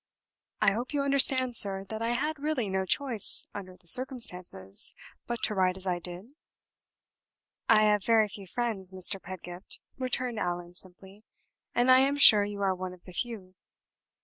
"I hope you understand, sir, that I had really no choice under the circumstances but to write as I did?" "I have very few friends, Mr. Pedgift," returned Allan, simply. "And I am sure you are one of the few."